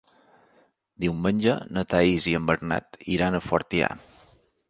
Diumenge na Thaís i en Bernat iran a Fortià.